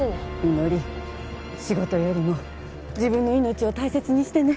実梨仕事よりも自分の命を大切にしてね